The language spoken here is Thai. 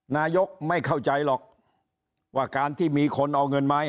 นายกไม่เข้าใจหรอกว่าการที่มีคนเอาเงินมา